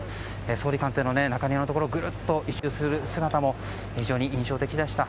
総理官邸の中庭のところをぐるっと１周する姿も非常に印象的でした。